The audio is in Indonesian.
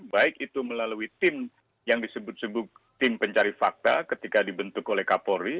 baik itu melalui tim yang disebut sebut tim pencari fakta ketika dibentuk oleh kapolri